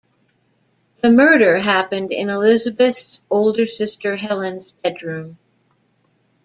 The murder happened in Elisabeth's older sister Helen's bedroom.